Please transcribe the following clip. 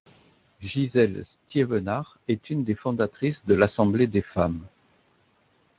Gisèle Stievenard est une des fondatrices de l'Assemblée des Femmes.